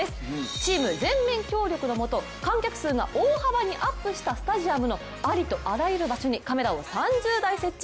チーム全面協力のもと、観客数が大幅に増えたスタジアムのありとあらゆる場所にカメラを３０台設置。